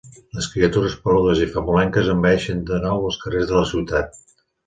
Les criatures peludes i famolenques envaeixen de nou els carrers de la ciutat!